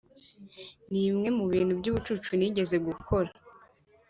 ] nibimwe mubintu byubucucu nigeze gukora.